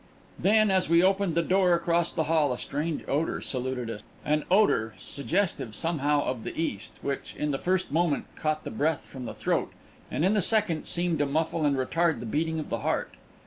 Then, as we opened the door across the hall, a strange odour saluted us an odour suggestive somehow of the East which, in the first moment, caught the breath from the throat, and in the second seemed to muffle and retard the beating of the heart.